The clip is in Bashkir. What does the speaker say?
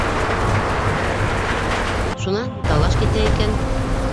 Шунан талаш китә икән.